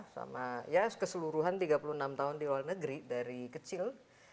sama ya keseluruhan tiga puluh enam tahun di luar negeri dari kecil